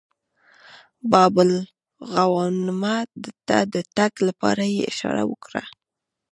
باب الغوانمه ته د تګ لپاره یې اشاره وکړه.